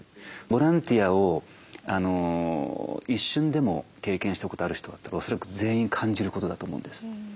ボランティアを一瞬でも経験したことある人だったら恐らく全員感じることだと思うんです。